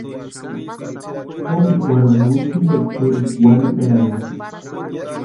Kopikwarhunha witsintikwa churikwa warhiperanhasti.